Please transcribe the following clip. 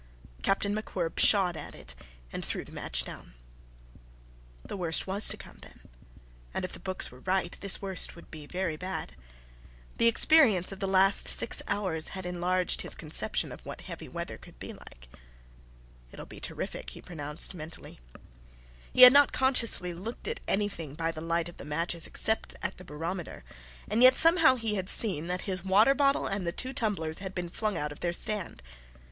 Captain MacWhirr pshawed at it, and threw the match down. The worst was to come, then and if the books were right this worst would be very bad. The experience of the last six hours had enlarged his conception of what heavy weather could be like. "It'll be terrific," he pronounced, mentally. He had not consciously looked at anything by the light of the matches except at the barometer; and yet somehow he had seen that his water bottle and the two tumblers had been flung out of their stand.